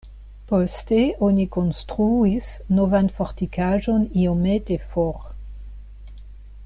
Poste oni konstruis novan fortikaĵon iomete for.